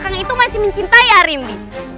kalau kakak itu masih mencintai arimbi